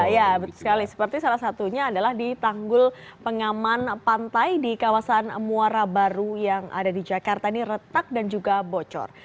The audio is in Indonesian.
ya sekali seperti salah satunya adalah di tanggul pengaman pantai di kawasan muara baru yang ada di jakarta ini retak dan juga bocor